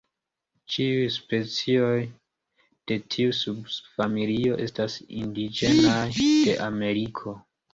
Ĉiuj specioj de tiu subfamilio estas indiĝenaj de Ameriko.